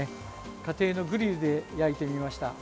家庭のグリルで焼いてみました。